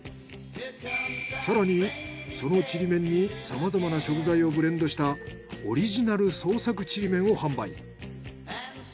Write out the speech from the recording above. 更にそのちりめんにさまざまな食材をブレンドしたオリジナル創作ちりめんを販売。